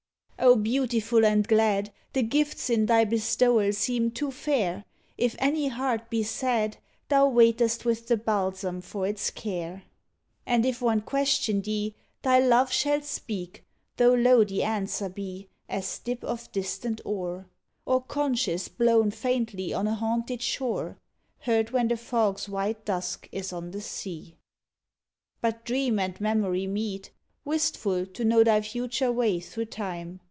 O beautiful and glad! The gifts in thy bestowal seem too fair; If any heart be sad, Thou waitest with the balsam for its care; 81 CALIFORNIA And if one question thee Thy love shall speak, tho low the answer be As dip of distant oar, Or conchs blown faintly on a haunted shore Heard when the fog s white dusk is on the sea. But dream and memory meet, Wistful to know thy future way through Time.